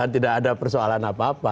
tidak ada persoalan apa apa